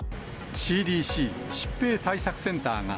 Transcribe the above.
ＣＤＣ・疾病対策センターが、